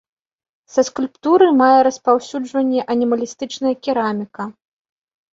Са скульптуры мае распаўсюджванне анімалістычная кераміка.